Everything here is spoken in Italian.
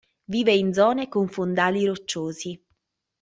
Vive in zone con fondali rocciosi.